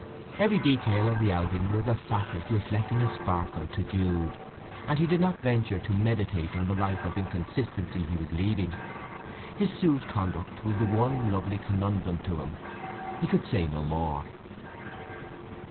Every detail of the outing was a facet reflecting a sparkle to Jude, and he did not venture to meditate on the life of inconsistency he was leading. His Sue's conduct was one lovely conundrum to him; he could say no more.